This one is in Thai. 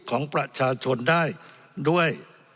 ของประชาชนได้ด้วย